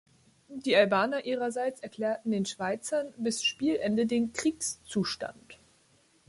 Die Albaner ihrerseits erklärten den Schweizern bis Spielende den "Kriegszustand".